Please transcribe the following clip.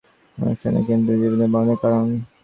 অদ্বৈতনিষ্ঠ আমাদের কিন্তু জীববুদ্ধি বন্ধনের কারণ।